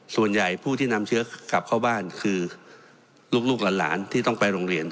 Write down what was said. ส่วนใหญ่ผู้ที่นำเชื้อกลับเข้าบ้านคือลูกหลานที่ต้องไปโรงเรียน